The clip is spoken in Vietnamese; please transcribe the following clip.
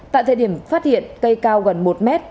tại thời điểm phát hiện cây cao gần một mét